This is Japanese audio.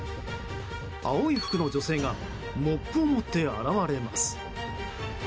青い服の女性がモップを持って現れます。